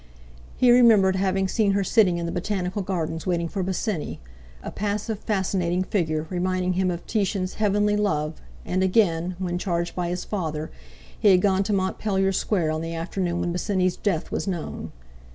He remembered having seen her sitting in the Botanical Gardens waiting for Bosinney—a passive, fascinating figure, reminding him of Titian's "Heavenly Love," and again, when, charged by his father, he had gone to Montpellier Square on the afternoon when Bosinney's death was known.